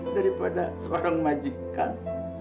daripada seorang majikan